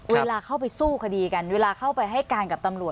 เวลาเข้าไปสู้คดีกันเวลาเข้าไปให้การกับตำรวจ